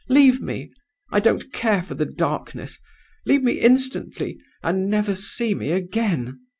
Leave me. I don't care for the darkness. Leave me instantly, and never see me again!